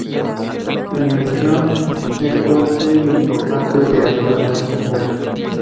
La alimentación es una fuente importante de ácidos grasos.